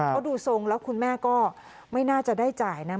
เพราะดูทรงแล้วคุณแม่ก็ไม่น่าจะได้จ่ายนะ